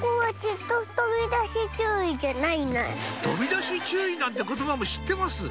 「飛び出し注意」なんて言葉も知ってます